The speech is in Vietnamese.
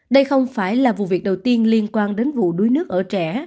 đây không phải là vụ việc đầu tiên liên quan đến vụ đuối nước ở trẻ